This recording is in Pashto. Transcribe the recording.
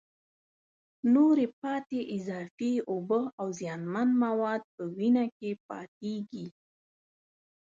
نورې پاتې اضافي اوبه او زیانمن مواد په وینه کې پاتېږي.